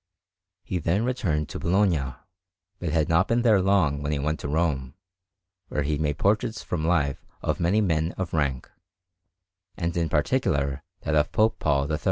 He then returned to Bologna, but had not been there long when he went to Rome, where he made portraits from life of many men of rank, and in particular that of Pope Paul III.